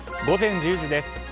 午前１０時です。